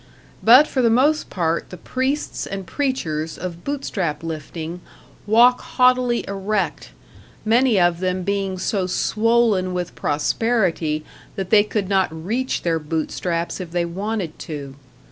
But for the most part the priests and preachers of Bootstrap lifting walk haughtily erect, many of them being so swollen with prosperity that they could not reach their bootstraps if they wanted to.